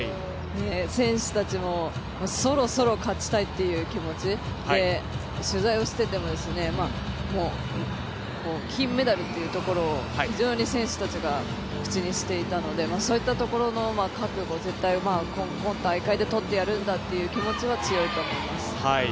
選手たちも、そろそろ勝ちたいっていう気持ちで取材をしていても、もう金メダルっていうところを非常に選手たちが口にしていたのでそういったところの覚悟、絶対今大会でとってやるんだという気持ちは強いと思います。